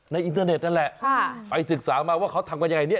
อินเทอร์เน็ตนั่นแหละไปศึกษามาว่าเขาทำกันยังไงเนี่ย